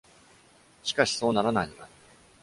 しかし、そうならないのだ。